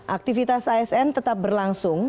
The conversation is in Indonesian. aktivitas asn tetap berlangsung